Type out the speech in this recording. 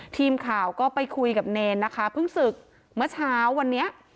ทีมข่าวก็ไปคุยกับเนรนะคะเพิ่งศึกเมื่อเช้าวันนี้